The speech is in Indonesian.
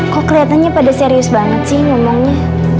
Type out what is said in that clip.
kok kelihatannya pada serius banget sih ngomongnya